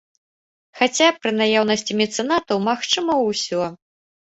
Хаця, пры наяўнасці мецэнатаў магчыма ўсё!